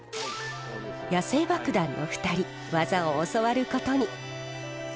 野性爆弾の２人技を教わることに。